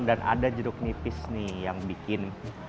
dan ada jeruk nipis nih yang bikin